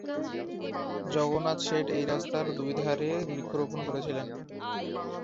জগন্নাথ শেঠ এই রাস্তার দুই ধারে বৃক্ষরোপণ করেছিলেন।